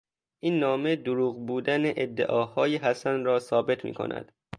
این نامه دروغ بودن ادعاهای حسن را ثابت میکند.